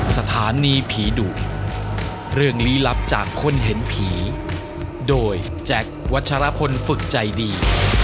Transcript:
สถานีผีดุเรื่องลี้ลับจากคนเห็นผีโดยแจ็ควัชรพลฝึกใจดี